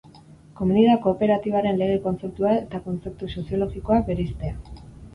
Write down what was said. Komeni da kooperatibaren lege kontzeptua eta kontzeptu soziologikoa bereiztea.